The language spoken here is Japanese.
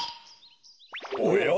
おや？